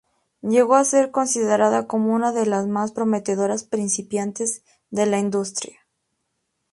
Llegó a ser considerada como una de las más prometedoras principiantes de la industria.